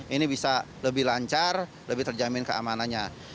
ini bisa lebih lancar lebih terjamin keamanannya